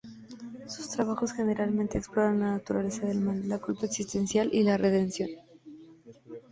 Sus trabajos generalmente exploran la naturaleza del mal, la culpa existencial y la redención.